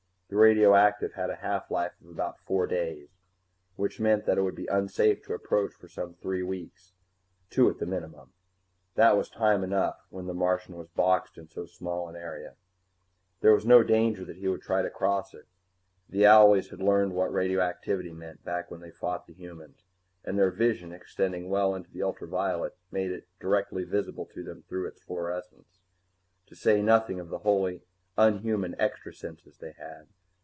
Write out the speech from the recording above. The radioactive had a half life of about four days, which meant that it would be unsafe to approach for some three weeks two at the minimum. That was time enough, when the Martian was boxed in so small an area. There was no danger that he would try to cross it. The owlies had learned what radioactivity meant, back when they fought the humans. And their vision, extending well into the ultra violet, made it directly visible to them through its fluorescence to say nothing of the wholly unhuman extra senses they had.